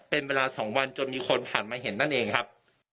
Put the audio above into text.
เป็นเวลา๒วันจนมีคนผ่านมาเห็นนั่นเองครับ